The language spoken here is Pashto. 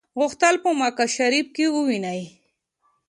غوښتل په مکه شریفه کې وویني.